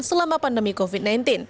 selama pandemi covid sembilan belas